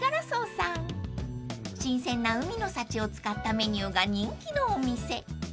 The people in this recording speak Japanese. ［新鮮な海の幸を使ったメニューが人気のお店］